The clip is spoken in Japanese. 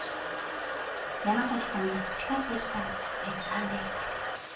山さんが培ってきた実感でした。